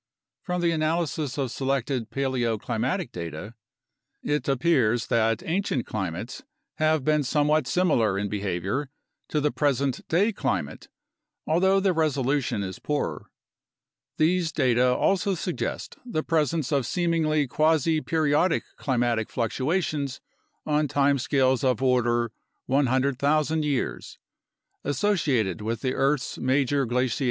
From the analysis of selected paleoclimatic data, it appears that ancient climates have been somewhat similar in behavior to the present day climate, although the resolution is poorer. These data also suggest the presence of seemingly quasi periodic climatic fluctuations on time scales of order 100,000 years, associated with the earth's major glaciations.